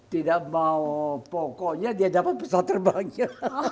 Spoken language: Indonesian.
tidak mau pokoknya dia dapat pesawat terbangnya